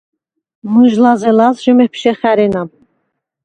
მჷჟ ლა̈ზელალს ჟი მეფშე ხა̈რენა.